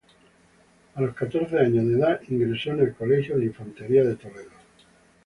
A los catorce años de edad ingresó en el Colegio de Infantería de Toledo.